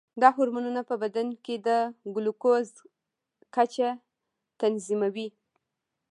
دا هورمونونه په بدن کې د ګلوکوز کچه تنظیموي.